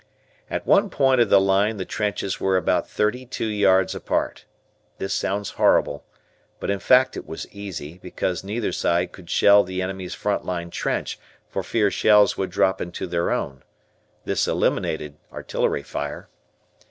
At one point of the line the trenches were about thirty two yards apart. This sounds horrible, but in fact it was easy, because neither side could shell the enemy's front line trench for fear shells would drop into their own. This eliminated artillery fire.